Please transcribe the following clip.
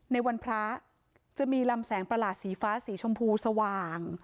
ในวันพระจะมีลำแสงประหลาดสีฟ้าสีชมพูสว่าง